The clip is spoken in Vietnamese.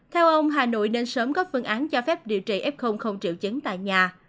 theo ông hà nội nên sớm có phương án cho phép điều trị f không triệu chứng tại nhà